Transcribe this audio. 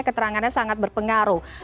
keterangannya sangat berpengaruh